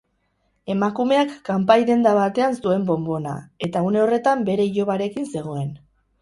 Emakumeak kanpai denda batean zuen bonbona, eta une horretan bere ilobarekin zegoen.